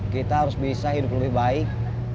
kita harus bisa hidup lebih baik